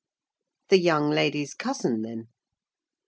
"The young lady's cousin, then?"